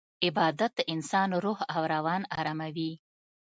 عبادت د انسان روح او روان اراموي.